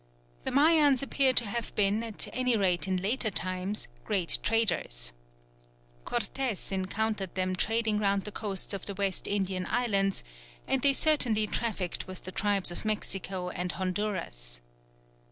The Mayans appear to have been, at any rate in later times, great traders. Cortes encountered them trading round the coasts of the West Indian Islands, and they certainly trafficked with the tribes of Mexico and Honduras.